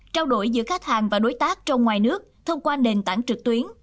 trao đổi giữa khách hàng và đối tác trong ngoài nước thông qua nền tảng trực tuyến